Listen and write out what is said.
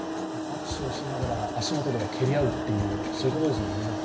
握手をしながら足元では蹴り合うということですもんね。